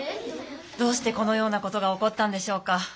どうしてこのようなことがおこったんでしょうか。